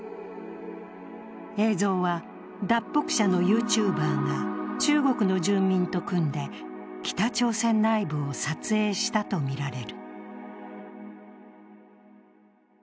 映像は脱北者のＹｏｕＴｕｂｅｒが中国の住民と組んで北朝鮮内部を撮影したとみられる。